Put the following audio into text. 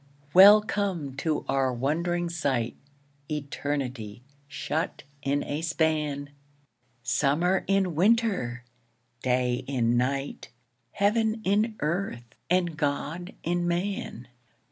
Welcome to our wond'ring sight Eternity shut in a span! Summer in winter! Day in night! Heaven in Earth! and God in Man!